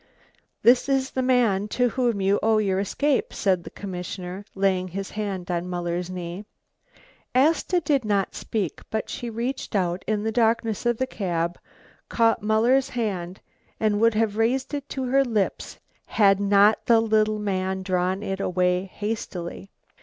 "This is the man to whom you owe your escape," said the commissioner, laying his hand on Muller's knee. Asta did not speak, but she reached out in the darkness of the cab, caught Muller's hand and would have raised it to her lips, had not the little man drawn it away hastily.